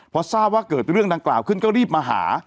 พอทราบว่าเกิดเรื่องดังกล่าวขึ้นก็รีบมาหา